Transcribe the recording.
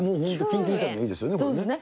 緊急事態にもいいですよね。